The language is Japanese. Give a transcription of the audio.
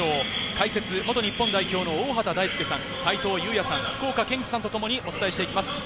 解説・元日本代表の大畑大介さん、齊藤祐也さん、福岡堅樹さんとともにお伝えします。